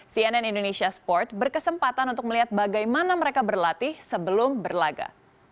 cnn indonesia sport berkesempatan untuk melihat bagaimana mereka berlatih sebelum berlaga